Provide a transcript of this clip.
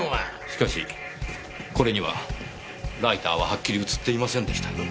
しかしこれにはライターははっきり映っていませんでしたよ。